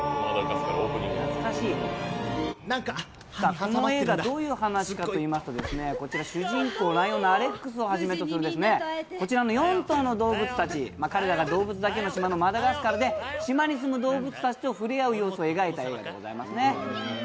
これはどういう話かといいますと、主人公のライオンのアレックスをはじめとして４頭の動物たち、彼らが動物だけの島のマダガスカルで島に住む動物たちと触れ合う様子を描いた映画ですね。